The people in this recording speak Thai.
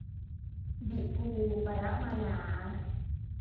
บิกูปะระมาหนา